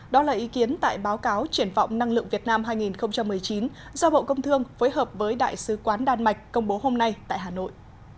đó là ý kiến tại báo cáo triển vọng năng lượng việt nam hai nghìn một mươi chín do bộ công thương phối hợp với đại sứ quán đan mạch công bố hôm nay tại hà nội